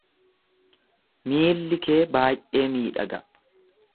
Miilli kee baay'ee miidhaga.